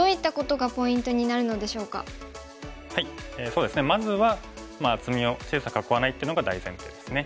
そうですねまずは厚みを小さく囲わないというのが大前提ですね。